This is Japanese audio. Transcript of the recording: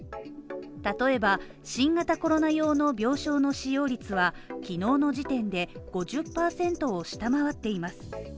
例えば、新型コロナ用の病床の使用率は昨日の時点で５０％を下回っています。